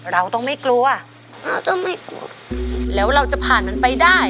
เราต้องไม่กลัวต้องไม่กลัวแล้วเราจะผ่านมันไปได้